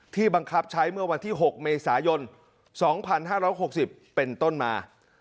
บังคับใช้เมื่อวันที่๖เมษายน๒๕๖๐เป็นต้นมา